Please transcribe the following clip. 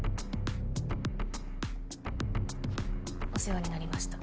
お世話になりました。